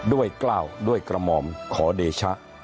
กล้าวด้วยกระหม่อมขอเดชะ